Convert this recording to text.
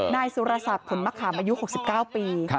นายสุรศัพท์ขุนมะขามอายุ๖๙ปี